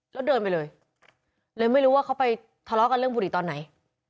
แล้วเดินไปเลยเลยไม่รู้ว่าเขาไปทะเลาะกันเรื่องบุหรี่ตอนไหน